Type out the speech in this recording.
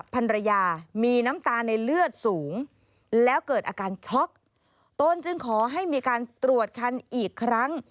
ภรรยามีน้ำตาในเลือดสูงแล้วเกิดอาการช็อกตนจึงขอให้มีการตรวจคันอีกครั้ง